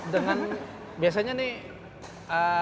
dengan biasanya nih